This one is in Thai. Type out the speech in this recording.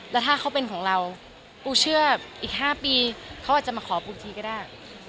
แล้วถ้าเขาเป็นของเราปูเชื่ออีก๕ปีเขาอาจจะมาขอปูทีก็ได้